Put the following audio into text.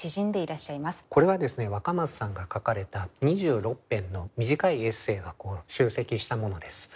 これはですね若松さんが書かれた２６編の短いエッセーが集積したものです。